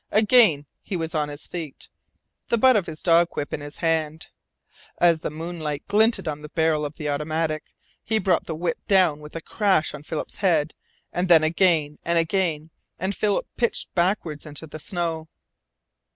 Again he was on his feet, the butt of his dog whip in his hand. As the moonlight glinted on the barrel of the automatic, he brought the whip down with a crash on Philip's head and then again and again, and Philip pitched backward into the snow.